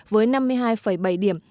với năm mươi hai bảy điểm